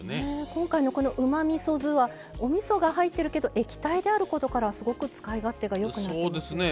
今回のこのうまみそ酢はおみそが入ってるけど液体であることからすごく使い勝手がよくなるんですよね。